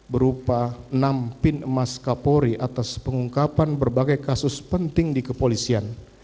berupa enam pin emas kapolri atas pengungkapan berbagai kasus penting di kepolisian